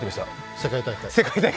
世界大会？